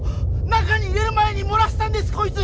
中に入れる前に漏らしたんですこいつ。